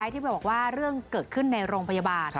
ที่ไปบอกว่าเรื่องเกิดขึ้นในโรงพยาบาล